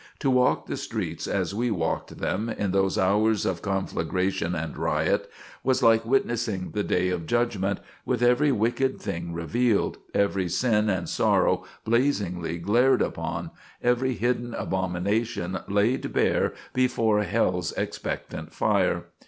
To walk the streets as we walked them, in those hours of conflagration and riot, was like witnessing the day of judgment, with every wicked thing revealed, every sin and sorrow blazingly glared upon, every hidden abomination laid bare before hell's expectant fire?